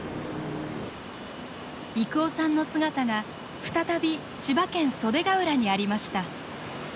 征夫さんの姿が再び千葉県袖ケ浦にありました。